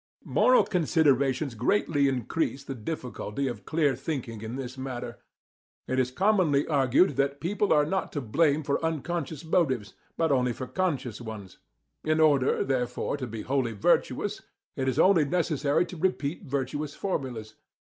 Moral considerations greatly increase the difficulty of clear thinking in this matter. It is commonly argued that people are not to blame for unconscious motives, but only for conscious ones. In order, therefore, to be wholly virtuous it is only necessary to repeat virtuous formulas.